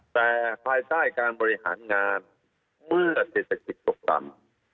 แต่ภายใต้การบริหารงานเมื่อเศรษฐกิจตกต่ำ